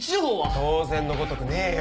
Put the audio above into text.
当然のごとくねえよ。